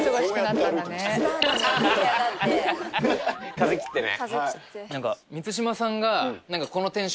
風切ってね。